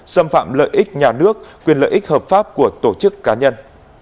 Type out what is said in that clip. xâm phạm lợi ích nhà nước quyền lợi ích hợp pháp của tổ chức cá nhân